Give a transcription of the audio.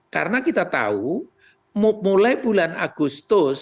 karena kita tahu mulai bulan agustus